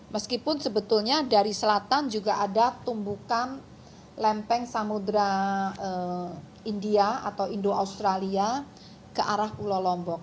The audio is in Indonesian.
meskipun sebetulnya dari selatan juga ada tumbukan lempeng samudera india atau indo australia ke arah pulau lombok